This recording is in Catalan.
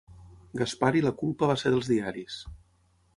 Gaspar i la culpa va ser dels diaris.